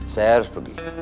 saya harus pergi